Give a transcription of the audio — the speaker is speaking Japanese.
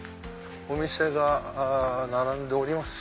お店が並んでおります。